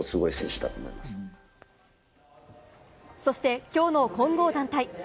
そして今日の混合団体。